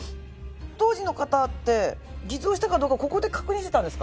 当時の方って偽造したかどうかここで確認してたんですか？